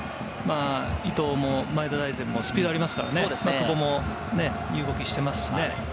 伊東も前田大然もスピードがありますからね、久保もいい動きをしていますしね。